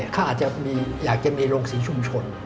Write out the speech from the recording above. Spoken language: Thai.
เขาอยากจะมีลงสีชุมชน